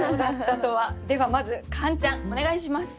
ではまずカンちゃんお願いします。